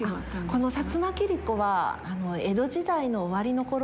この摩切子は江戸時代の終わりの頃なので。